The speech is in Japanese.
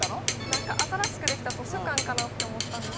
何か新しくできた図書館かなって思ったんですけど